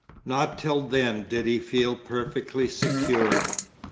Not till then did he feel perfectly secure.